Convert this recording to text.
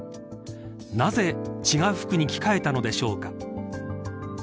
なぜ、違う服に着替えたのでしょうか。